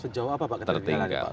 sejauh apa pak ketertinggalan